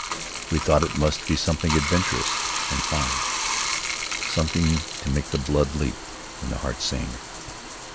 We thought it must be something adventurous and fine. Something to make the blood leap and the heart sing.